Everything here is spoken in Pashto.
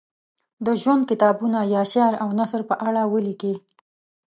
د ژوند کتابونه یا شعر او نثر په اړه ولیکي.